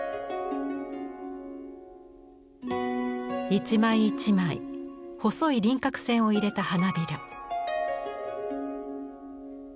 一枚一枚細い輪郭線を入れた花びら。